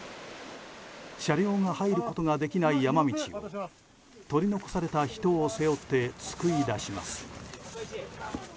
車両が入ることができない山道を取り残された人を背負って救い出します。